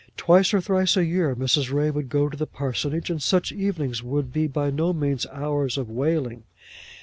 Twice or thrice a year Mrs. Ray would go to the parsonage, and such evenings would be by no means hours of wailing.